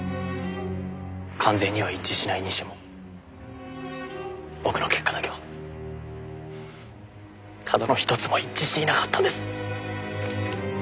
完全には一致しないにしても僕の結果だけはただの一つも一致していなかったんです。